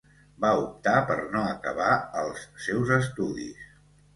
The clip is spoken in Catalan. Va optar per no acabar els seus estudis.